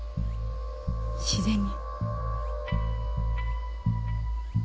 自然に。